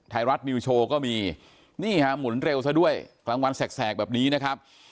ไทยรัฐนิวโชว์ก็มีนี่ฮะหมุนเร็วซะด้วยกลางวันแสกแบบนี้นะครับ